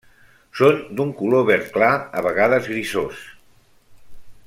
Són d'un color verd clar a vegades grisós.